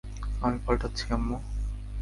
আমি পাল্টাচ্ছি, আম্মু।